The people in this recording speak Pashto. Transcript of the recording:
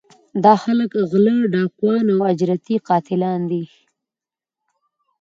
دا خلک غلۀ ، ډاکوان او اجرتي قاتلان وي